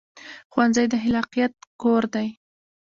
ښوونځی د خلاقیت کور دی